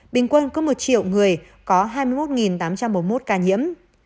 bình quân có một triệu người có hai mươi một tám trăm bốn mươi một ca nhiễm